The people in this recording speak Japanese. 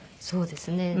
そうですね。